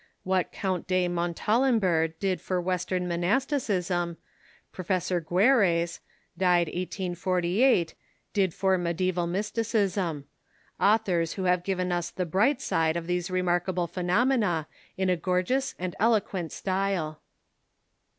What Count de Montalembert did for Western Monasticism, Professor Goerres (died 1848) did for Mediaeval Mysticism — authors who have given us the bright side of these remarkable phenomena in a gorgeous and elo quent style.